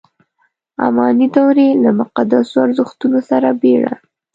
اماني دورې له مقدسو ارزښتونو سره بېړه.